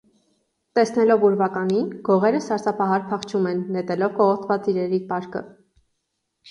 Տեսնելով ուրվականին՝ գողերը սարսափահար փախչում են՝ նետելով կողոպտված իրերի պարկը։